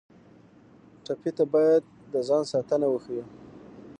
ټپي ته باید د ځان ساتنه وښیو.